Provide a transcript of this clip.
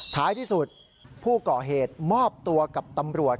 ท้ายที่สุดผู้ก่อเหตุมอบตัวกับตำรวจ